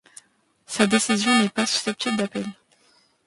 Sa décision n'est pas susceptible d'appel.